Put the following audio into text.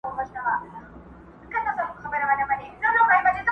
اوس په كلي كي چي هر څه دهقانان دي،